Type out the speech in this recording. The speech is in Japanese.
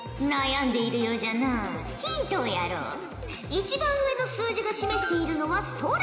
一番上の数字が示しているのはソラ。